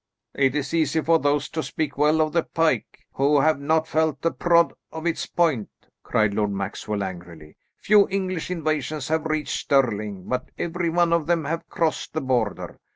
"It is easy for those to speak well of the pike, who have not felt the prod of its point," cried Lord Maxwell angrily. "Few English invasions have reached Stirling, but every one of them have crossed the Border.